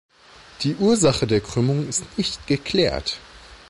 Die Ursache der Krümmung ist nicht geklärt.